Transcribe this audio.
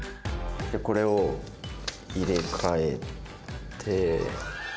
これを入れ替えて。